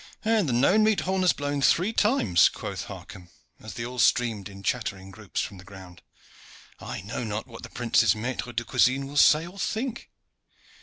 "And the none meat horn has blown three times," quoth Harcomb, as they all streamed in chattering groups from the ground. "I know not what the prince's maitre de cuisine will say or think.